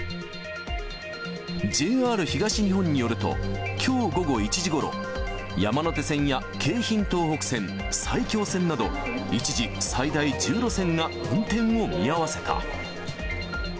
ＪＲ東日本によると、きょう午後１時ごろ、山手線や京浜東北線、埼京線など一時、最大１０路線が運転を見合わせた。